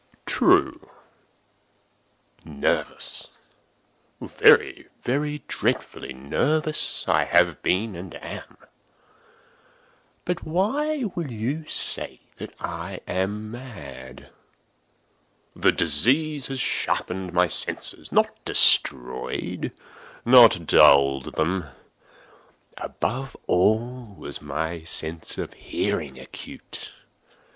True!—nervous—very, very dreadfully nervous I had been and am; but why will you say that I am mad? The disease had sharpened my senses—not destroyed—not dulled them. Above all was the sense of hearing acute.